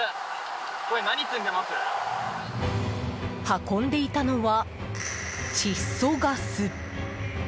運んでいたのは窒素ガス。